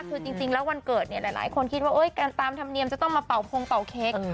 คือจริงแล้ววันเกิดเนี่ยหลายคนคิดว่าการตามธรรมเนียมจะต้องมาเป่าพงเป่าเค้ก